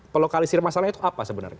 pelokalisir masalahnya itu apa sebenarnya